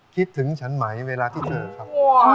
คิดถึงฉันไหมเวลาที่เจอครับ